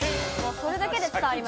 それだけで伝わりました。